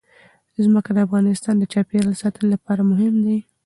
ځمکه د افغانستان د چاپیریال ساتنې لپاره مهم دي.